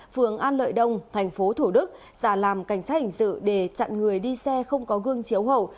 phường an lợi đông thành phố thủ đức giả làm cảnh sát hình sự để chặn người đi xe không có gương chiếu hậu